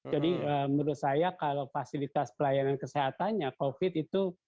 jadi menurut saya kalau fasilitas pelayanan kesehatannya covid itu